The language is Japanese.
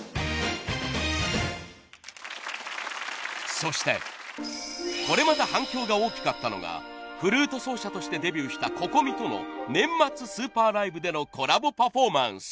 そしてこれまた反響が大きかったのがフルート奏者としてデビューしたＣｏｃｏｍｉとの年末『ＳＵＰＥＲＬＩＶＥ』でのコラボパフォーマンス。